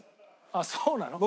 あっそうなの？